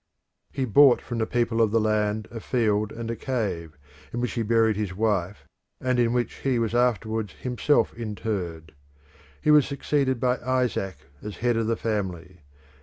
He bought from the people of the land a field and a cave, in which he buried his wife and in which he was afterwards himself interred. He was succeeded by Isaac as head of the family.